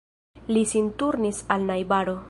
Li sin turnis al najbaro.